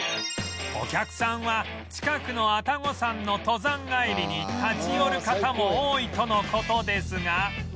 お客さんは近くの愛宕山の登山帰りに立ち寄る方も多いとの事ですが